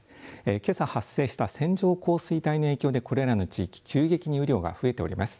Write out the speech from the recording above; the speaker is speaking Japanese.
けさ発生した線状降水帯の影響でこれらの地域、急激に雨量が増えております。